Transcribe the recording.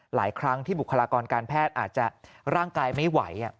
หลายครั้งที่บุคลากรการแพทย์อาจจะร่างกายไม่ไหว